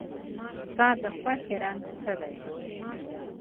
ستا د خوښې رنګ څه دی؟